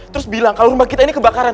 terus bilang kalau rumah kita ini kebakaran